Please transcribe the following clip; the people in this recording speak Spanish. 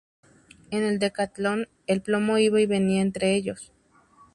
En el decatlón, el plomo iba y venía entre ellos.